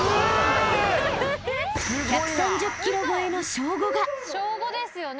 ［１３０ｋｇ超えの小５が］